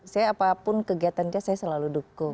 saya apapun kegiatan saya selalu dukung